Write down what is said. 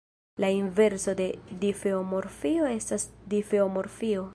La inverso de difeomorfio estas difeomorfio.